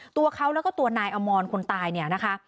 ตัวเขาแล้วก็ตัวนายอมรคนตายเนี่ยนะคะ